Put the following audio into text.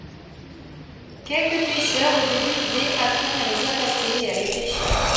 Quelques pêcheurs au début des apprennent à les appâter et à les pêcher.